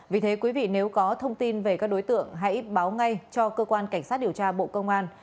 vì thế quý vị nếu có thông tin về các đối tượng hãy báo ngay cho cơ quan cảnh sát điều tra bộ công an